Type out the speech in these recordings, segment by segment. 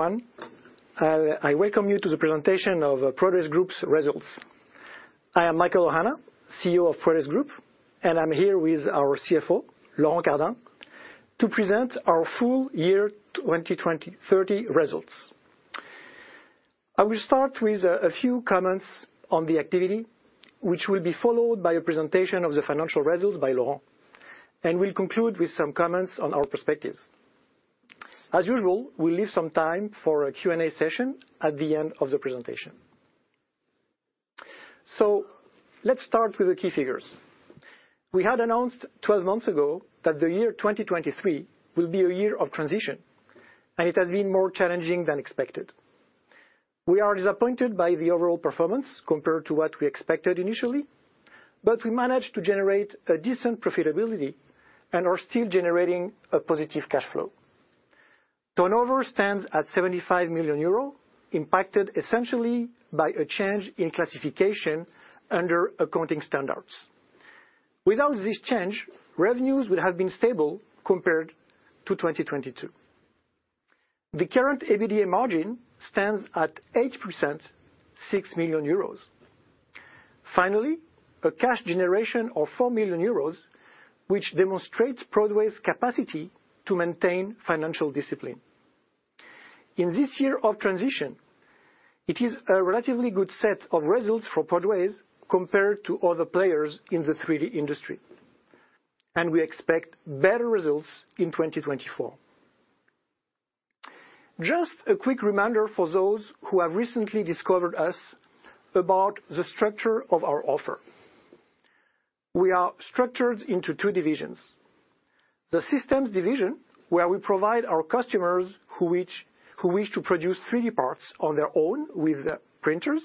Hello, everyone. I welcome you to the presentation of Prodways Group's results. I am Michaël Ohana, CEO of Prodways Group, and I'm here with our CFO, Laurent Cardin, to present our full year 2023 results. I will start with a few comments on the activity, which will be followed by a presentation of the financial results by Laurent, and we'll conclude with some comments on our perspectives. As usual, we leave some time for a Q&A session at the end of the presentation. So let's start with the key figures. We had announced 12 months ago that the year 2023 will be a year of transition, and it has been more challenging than expected. We are disappointed by the overall performance compared to what we expected initially, but we managed to generate a decent profitability and are still generating a positive cash flow. Turnover stands at 75 million euro, impacted essentially by a change in classification under accounting standards. Without this change, revenues would have been stable compared to 2022. The current EBITDA margin stands at 8%, 6 million euros. Finally, a cash generation of 4 million euros, which demonstrates Prodways' capacity to maintain financial discipline. In this year of transition, it is a relatively good set of results for Prodways compared to other players in the 3D industry, and we expect better results in 2024. Just a quick reminder for those who have recently discovered us about the structure of our offer. We are structured into two divisions: the systems division, where we provide our customers who wish to produce 3D parts on their own with printers,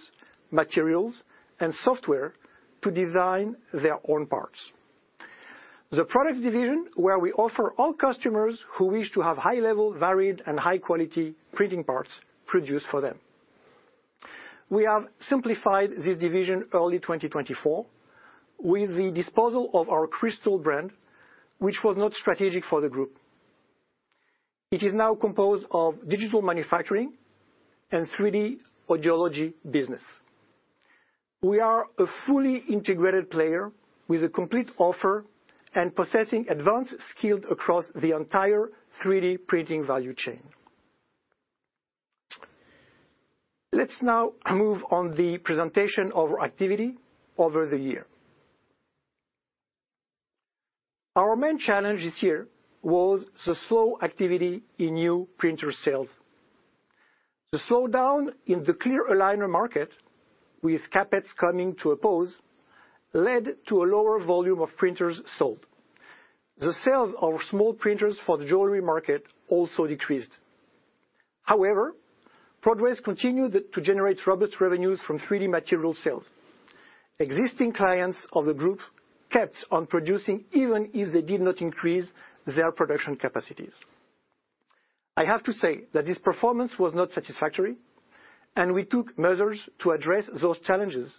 materials, and software to design their own parts. The product division, where we offer all customers who wish to have high-level, varied, and high-quality printing parts produced for them. We have simplified this division early 2024, with the disposal of our Cristal brand, which was not strategic for the group. It is now composed of digital manufacturing and 3D audiology business. We are a fully integrated player with a complete offer and possessing advanced skills across the entire 3D printing value chain. Let's now move on the presentation of our activity over the year. Our main challenge this year was the slow activity in new printer sales. The slowdown in the clear aligner market, with CapEx coming to a pause, led to a lower volume of printers sold. The sales of small printers for the jewelry market also decreased. However, Prodways continued to generate robust revenues from 3D material sales. Existing clients of the group kept on producing, even if they did not increase their production capacities. I have to say that this performance was not satisfactory, and we took measures to address those challenges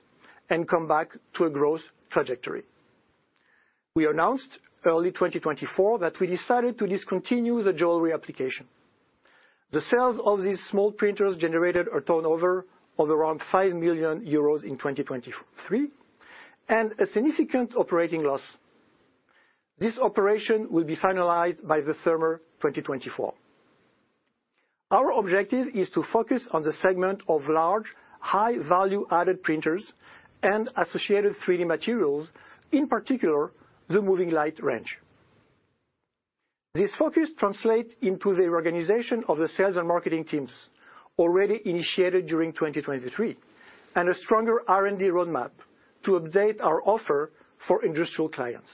and come back to a growth trajectory. We announced early 2024 that we decided to discontinue the jewelry application. The sales of these small printers generated a turnover of around 5 million euros in 2023 and a significant operating loss. This operation will be finalized by the summer 2024. Our objective is to focus on the segment of large, high-value-added printers and associated 3D materials, in particular, the Moving Light range. This focus translates into the organization of the sales and marketing teams already initiated during 2023, and a stronger R&D roadmap to update our offer for industrial clients.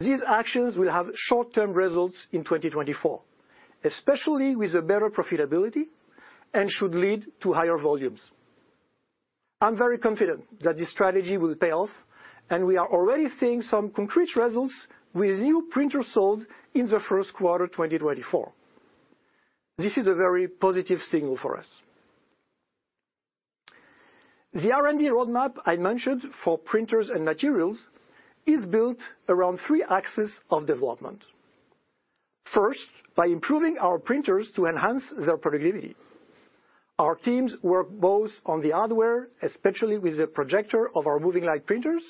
These actions will have short-term results in 2024, especially with a better profitability, and should lead to higher volumes. I'm very confident that this strategy will pay off, and we are already seeing some concrete results with new printers sold in the first quarter, 2024. This is a very positive signal for us. The R&D roadmap I mentioned for printers and materials is built around three axes of development. First, by improving our printers to enhance their productivity. Our teams work both on the hardware, especially with the projector of our MovingLight printers,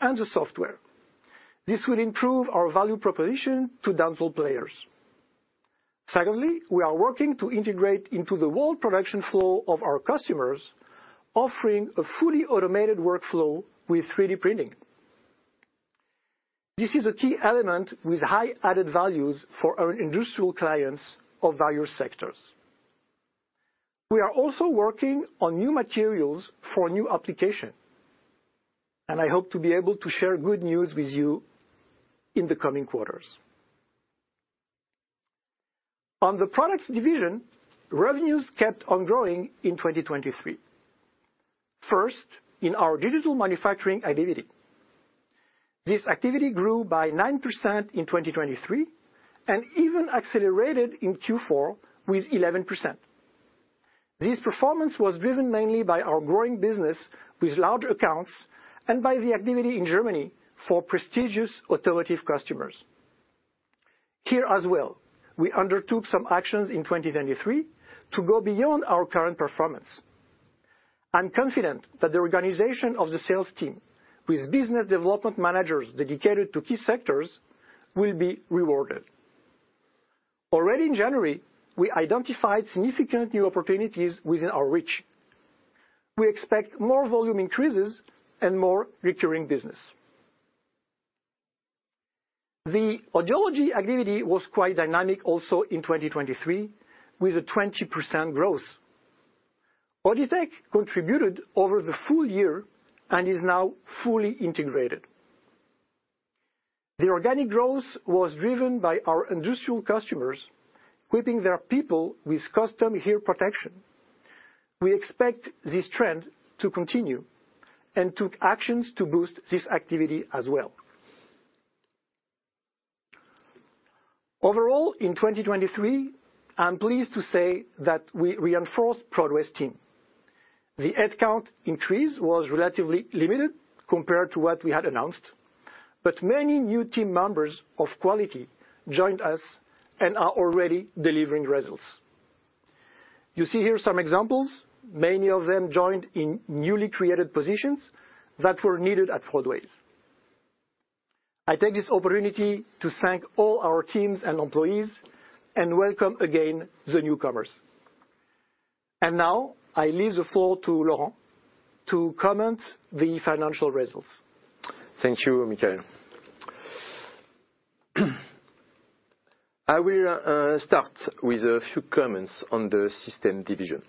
and the software. This will improve our value proposition to dental players. Secondly, we are working to integrate into the whole production flow of our customers, offering a fully automated workflow with 3D printing. This is a key element with high added values for our industrial clients of various sectors. We are also working on new materials for new application, and I hope to be able to share good news with you in the coming quarters. On the products division, revenues kept on growing in 2023. First, in our digital manufacturing activity. This activity grew by 9% in 2023 and even accelerated in Q4 with 11%. This performance was driven mainly by our growing business with large accounts and by the activity in Germany for prestigious authoritative customers. Here as well, we undertook some actions in 2023 to go beyond our current performance. I'm confident that the organization of the sales team, with business development managers dedicated to key sectors, will be rewarded. Already in January, we identified significant new opportunities within our reach. We expect more volume increases and more recurring business. The audiology activity was quite dynamic also in 2023, with a 20% growth. Auditech contributed over the full year and is now fully integrated. The organic growth was driven by our industrial customers equipping their people with custom ear protection. We expect this trend to continue and took actions to boost this activity as well. Overall, in 2023, I'm pleased to say that we reinforced Prodways team. The headcount increase was relatively limited compared to what we had announced, but many new team members of quality joined us and are already delivering results. You see here some examples. Many of them joined in newly created positions that were needed at Prodways. I take this opportunity to thank all our teams and employees, and welcome again the newcomers. And now, I leave the floor to Laurent to comment the financial results. Thank you, Michaël. I will start with a few comments on the system division.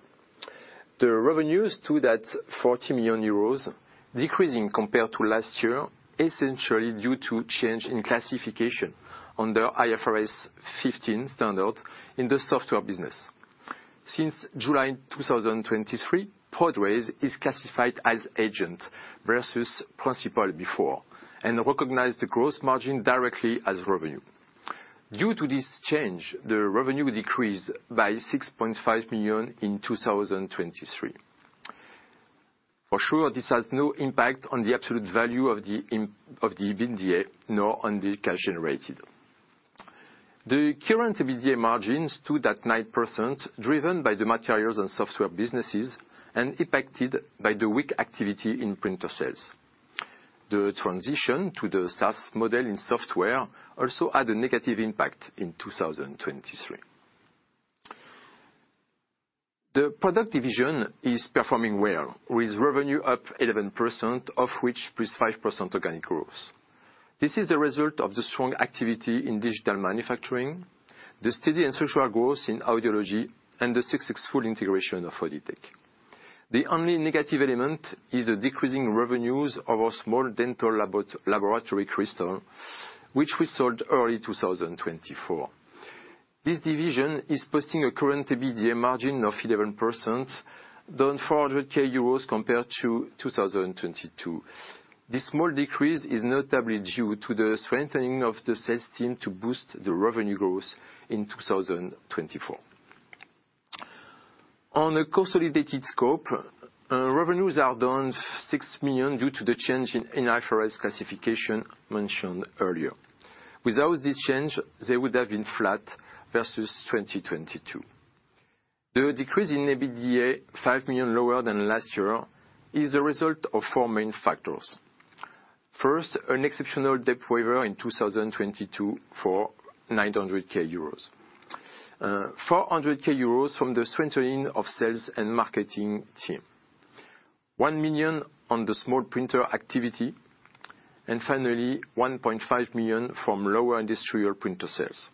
The revenues stood at 40 million euros, decreasing compared to last year, essentially due to change in classification under IFRS 15 standard in the software business. Since July 2023, Prodways is classified as agent versus principal before, and recognize the gross margin directly as revenue. Due to this change, the revenue decreased by 6.5 million in 2023. For sure, this has no impact on the absolute value of the EBITDA, nor on the cash generated. The current EBITDA margins stood at 9%, driven by the materials and software businesses, and impacted by the weak activity in printer sales. The transition to the SaaS model in software also had a negative impact in 2023. The product division is performing well, with revenue up 11%, of which +5% organic growth. This is the result of the strong activity in digital manufacturing, the steady and structural growth in audiology, and the successful integration of Auditech. The only negative element is the decreasing revenues of our small dental laboratory Cristal, which we sold early 2024. This division is posting a current EBITDA margin of 11%, down 400K euros compared to 2022. This small decrease is notably due to the strengthening of the sales team to boost the revenue growth in 2024. On a consolidated scope, revenues are down 6 million due to the change in, in IFRS classification mentioned earlier. Without this change, they would have been flat versus 2022. The decrease in EBITDA, 5 million lower than last year, is the result of four main factors. First, an exceptional debt waiver in 2022 for 900 euros K, 400 euros K from the strengthening of sales and marketing team, 1 million on the small printer activity, and finally, 1.5 million from lower industrial printer sales.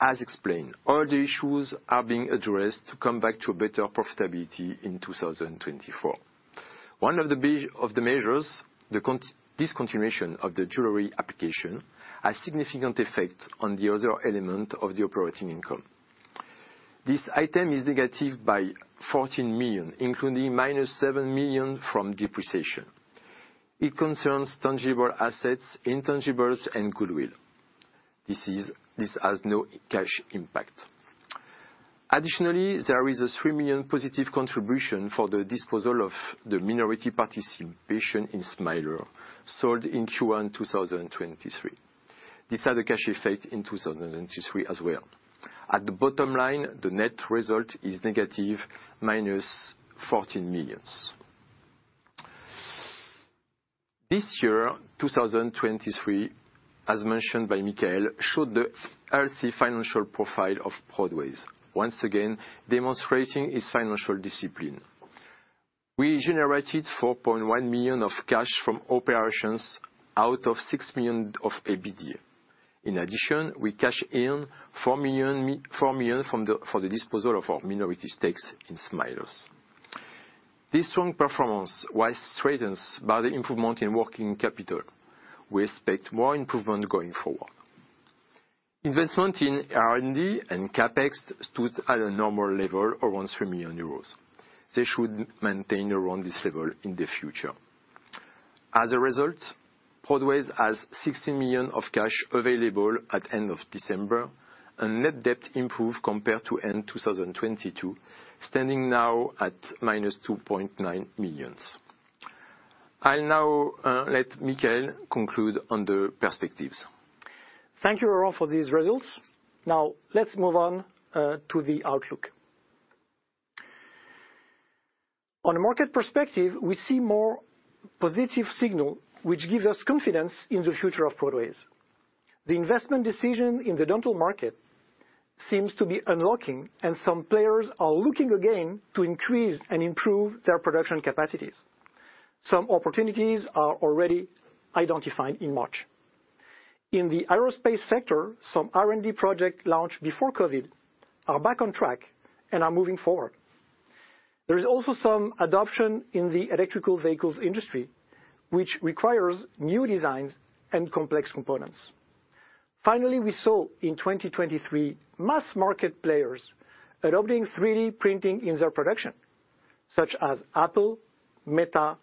As explained, all the issues are being addressed to come back to a better profitability in 2024. One of the measures, the discontinuation of the jewelry application, has significant effect on the other element of the operating income. This item is negative by 14 million, including -7 million from depreciation. It concerns tangible assets, intangibles, and goodwill. This has no cash impact. Additionally, there is a 3 million positive contribution for the disposal of the minority participation in Smilers, sold in Q1 2023. This had a cash effect in 2023 as well. At the bottom line, the net result is negative, minus 14 million. This year, 2023, as mentioned by Michael, showed the healthy financial profile of Prodways, once again demonstrating its financial discipline. We generated 4.1 million of cash from operations out of 6 million of EBITDA. In addition, we cash in 4 million from the disposal of our minority stakes in Smilers. This strong performance was strengthened by the improvement in working capital. We expect more improvement going forward. Investment in R&D and CapEx stood at a normal level, around 3 million euros. They should maintain around this level in the future. As a result, Prodways has 60 million of cash available at end of December, and net debt improved compared to end 2022, standing now at -2.9 million. I'll now let Michaël conclude on the perspectives. Thank you, Laurent, for these results. Now, let's move on to the outlook. On a market perspective, we see more positive signal, which gives us confidence in the future of Prodways. The investment decision in the dental market seems to be unlocking, and some players are looking again to increase and improve their production capacities. Some opportunities are already identified in March. In the aerospace sector, some R&D project launched before COVID are back on track and are moving forward. There is also some adoption in the electrical vehicles industry, which requires new designs and complex components. Finally, we saw in 2023, mass market players adopting 3D printing in their production, such as Apple, Meta,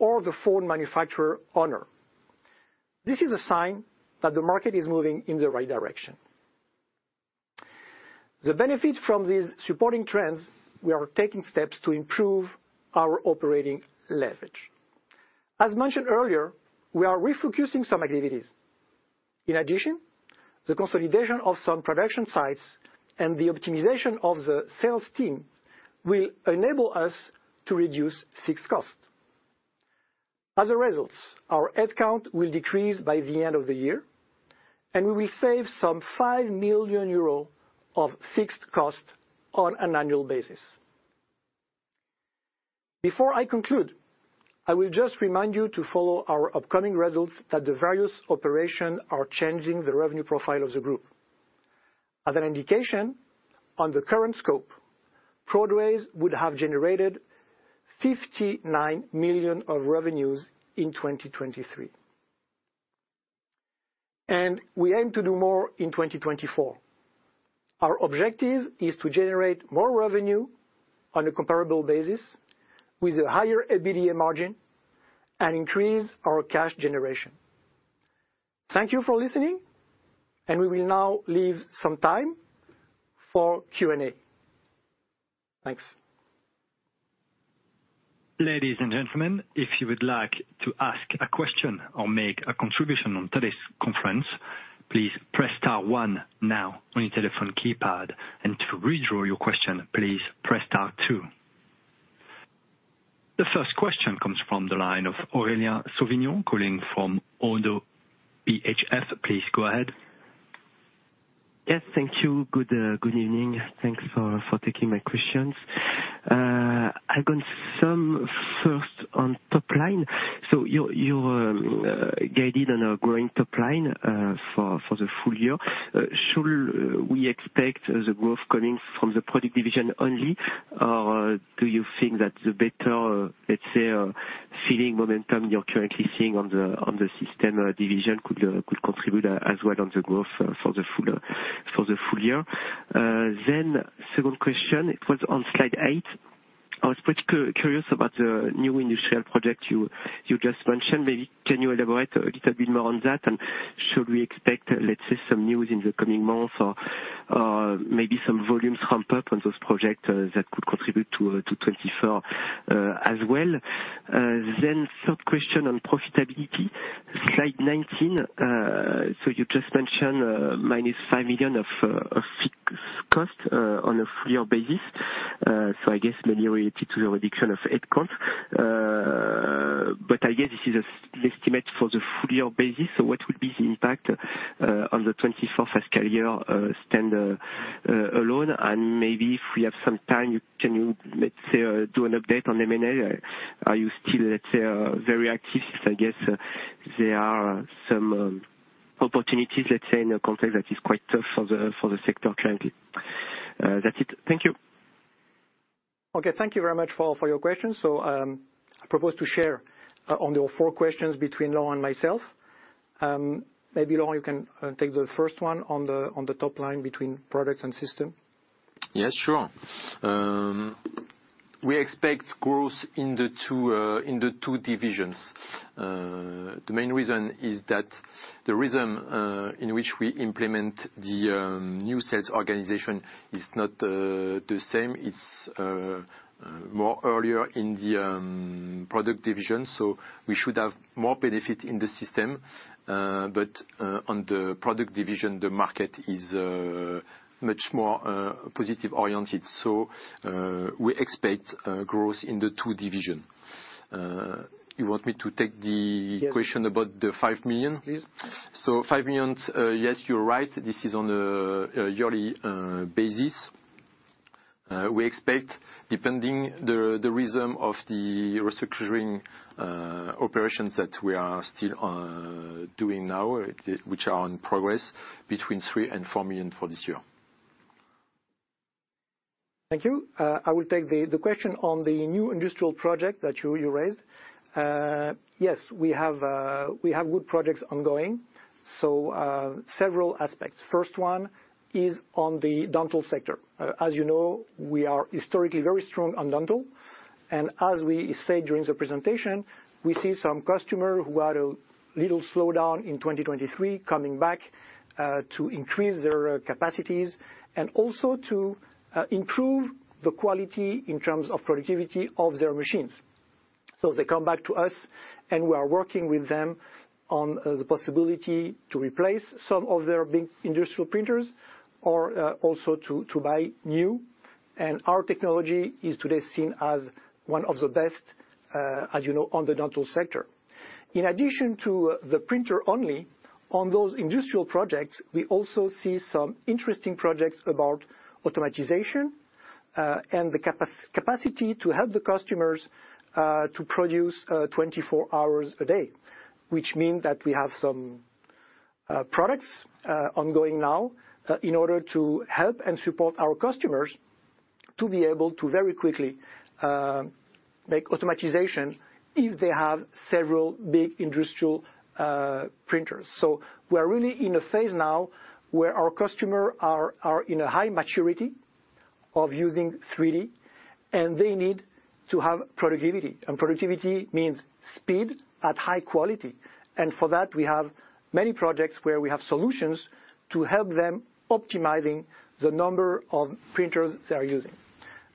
or the phone manufacturer, Honor. This is a sign that the market is moving in the right direction. The benefit from these supporting trends. We are taking steps to improve our operating leverage. As mentioned earlier, we are refocusing some activities. In addition, the consolidation of some production sites and the optimization of the sales team will enable us to reduce fixed costs. As a result, our head count will decrease by the end of the year, and we will save 5 million euro of fixed cost on an annual basis. Before I conclude, I will just remind you to follow our upcoming results, that the various operations are changing the revenue profile of the group. As an indication, on the current scope, Prodways would have generated 59 million of revenues in 2023. We aim to do more in 2024. Our objective is to generate more revenue on a comparable basis, with a higher EBITDA margin and increase our cash generation. Thank you for listening, and we will now leave some time for Q&A. Thanks. Ladies and gentlemen, if you would like to ask a question or make a contribution on today's conference, please press star one now on your telephone keypad, and to withdraw your question, please press star two. The first question comes from the line of Aurélien Savy, calling from ODDO BHF. Please go ahead. Yes, thank you. Good evening. Thanks for taking my questions. I've got some first on top line. So you're guiding on a growing top line for the full year. Should we expect the growth coming from the product division only? Or do you think that the better, let's say, selling momentum you're currently seeing on the system division could contribute as well on the growth for the full year? Then second question, it was on slide eight. I was quite curious about the new industrial project you just mentioned. Maybe can you elaborate a little bit more on that? Should we expect, let's say, some news in the coming months, or maybe some volumes ramp up on those projects that could contribute to 2024 as well? Then third question on profitability, slide 19. So you just mentioned -5 million of fixed cost on a full year basis. So I guess maybe related to the reduction of head count. But I guess this is an estimate for the full year basis, so what will be the impact on the 2024 fiscal year standalone? And maybe if we have some time, can you, let's say, do an update on M&A? Are you still, let's say, very active? I guess there are some opportunities, let's say, in a context that is quite tough for the sector currently. That's it. Thank you. Okay, thank you very much for your questions. So, I propose to share on your four questions between Laurent and myself. Maybe, Laurent, you can take the first one on the top line between products and system. Yes, sure. We expect growth in the two divisions. The main reason is that the reason in which we implement the new sales organization is not the same. It's more earlier in the product division, so we should have more benefit in the system. But on the product division, the market is much more positive-oriented, so we expect growth in the two division. You want me to take the. Yes. Question about the 5 million? Please. Five million, yes, you're right. This is on a yearly basis. We expect, depending the reason of the restructuring, operations that we are still doing now, which are in progress between 3 million and 4 million for this year. Thank you. I will take the question on the new industrial project that you raised. Yes, we have good projects ongoing. So, several aspects. First one is on the dental sector. As you know, we are historically very strong on dental, and as we said during the presentation, we see some customer who had a little slowdown in 2023 coming back to increase their capacities and also to improve the quality in terms of productivity of their machines. So they come back to us, and we are working with them on the possibility to replace some of their big industrial printers or also to buy new. And our technology is today seen as one of the best, as you know, on the dental sector. In addition to the printer only, on those industrial projects, we also see some interesting projects about automation, and the capacity to help the customers to produce 24 hours a day. Which mean that we have some products ongoing now in order to help and support our customers to be able to very quickly make automation if they have several big industrial printers. So we're really in a phase now where our customer are in a high maturity of using 3D, and they need to have productivity, and productivity means speed at high quality. And for that, we have many projects where we have solutions to help them optimizing the number of printers they are using.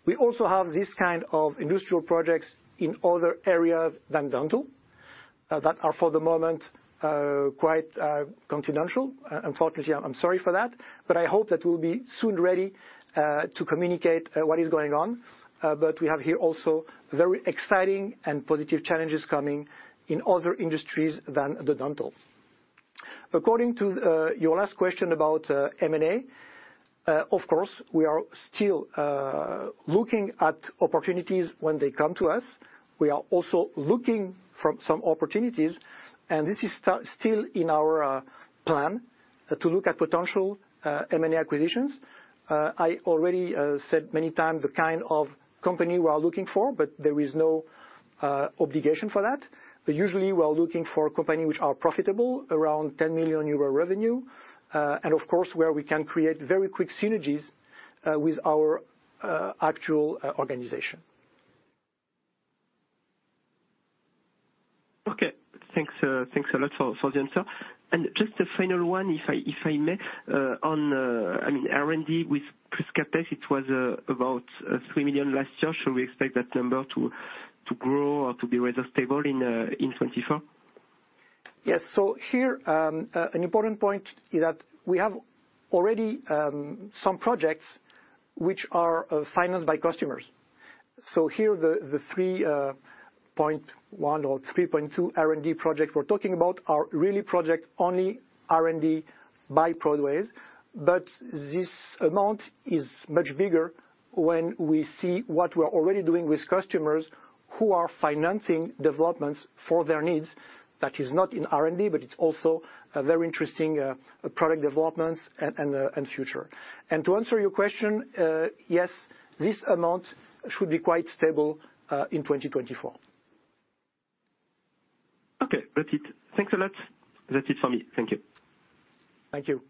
We also have this kind of industrial projects in other areas than dental that are, for the moment, quite confidential. Unfortunately, I'm sorry for that, but I hope that we'll be soon ready to communicate what is going on. But we have here also very exciting and positive challenges coming in other industries than the dental. According to your last question about M&A, of course, we are still looking at opportunities when they come to us. We are also looking for some opportunities, and this is still in our plan to look at potential M&A acquisitions. I already said many times the kind of company we are looking for, but there is no obligation for that. But usually, we are looking for company which are profitable, around 10 million euro revenue, and of course, where we can create very quick synergies with our actual organization. Okay. Thanks a lot for the answer. Just a final one, if I may. On, I mean, R&D with Prisca Tech, it was about 3 million last year. Should we expect that number to grow or to be rather stable in 2024? Yes. So here, an important point is that we have already some projects which are financed by customers. So here, the three point one or three point two R&D project we're talking about are really project only R&D by Prodways, but this amount is much bigger when we see what we're already doing with customers who are financing developments for their needs. That is not in R&D, but it's also a very interesting product developments and future. And to answer your question, yes, this amount should be quite stable in 2024. Okay, that's it. Thanks a lot. That's it for me. Thank you. Thank you.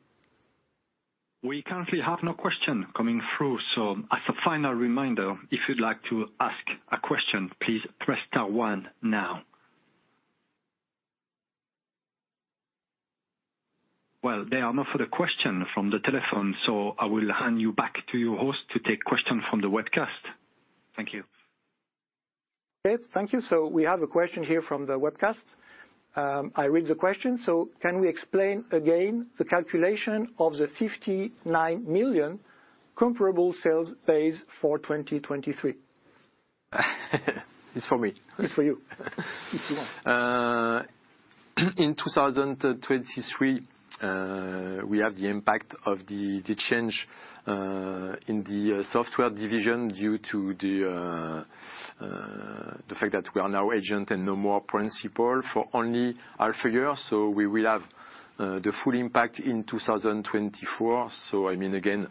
We currently have no question coming through, so as a final reminder, if you'd like to ask a question, please press star one now. Well, there are no further question from the telephone, so I will hand you back to your host to take question from the webcast. Thank you. Okay, thank you. So we have a question here from the webcast. I read the question: "So can we explain again the calculation of the 59 million comparable sales base for 2023? It's for me. It's for you. In 2023, we have the impact of the change in the software division due to the fact that we are now agent and no more principal for only half year, so we will have the full impact in 2024. So I mean, again,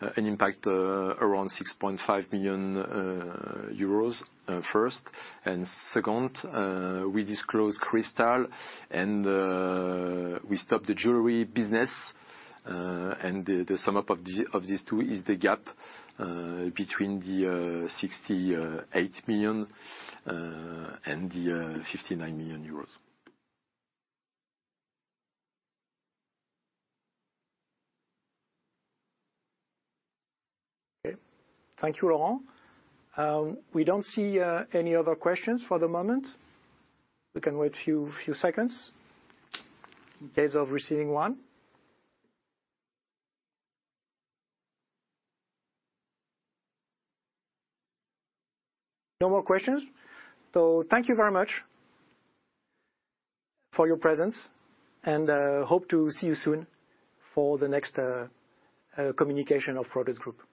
an impact around 6.5 million euros, first. And second, we dispose of Cristal, and we stop the jewelry business. And the sum of these two is the gap between the 68 million and the 59 million euros. Okay. Thank you, Laurent. We don't see any other questions for the moment. We can wait a few seconds in case of receiving one. No more questions, so thank you very much for your presence and hope to see you soon for the next communication of Prodways Group.